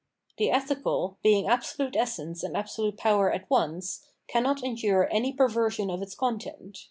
The ethical, being absolute essence and absolute power at once, cannot endure any perversion of its content.